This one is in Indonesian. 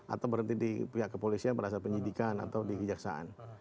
atau berhenti di pihak kepolisian pada penyidikan atau di kejaksaan